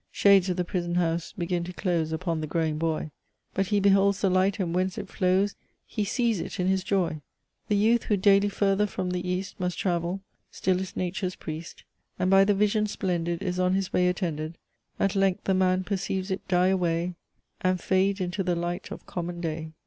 Shades of the prison house begin to close Upon the growing Boy; But He beholds the light, and whence it flows, He sees it in his joy! The Youth who daily further from the East Must travel, still is Nature's Priest, And by the vision splendid Is on his way attended; At length the Man perceives it die away, And fade into the light of common day."